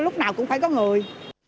có lúc nào cũng phải có người